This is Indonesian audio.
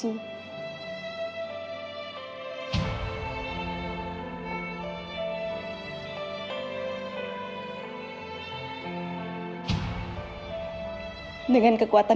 julia pengin uang sedikit luar